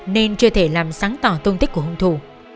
nên chưa thể làm sáng tỏ tôn tích của hung thủ